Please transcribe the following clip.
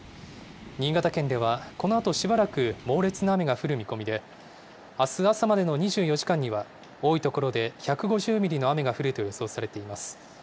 新潟県では、このあとしばらく、猛烈な雨が降る見込みで、あす朝までの２４時間には、多い所で１５０ミリの雨が降ると予想されています。